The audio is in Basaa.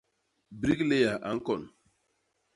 Brikléya a ñkon.